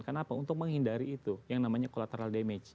kenapa untuk menghindari itu yang namanya collateral damage